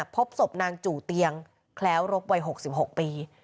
พบศพนางจู่เตียงแคล้วรบวัย๖๖ปี